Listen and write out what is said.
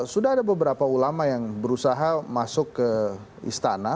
sudah ada beberapa ulama yang berusaha masuk ke istana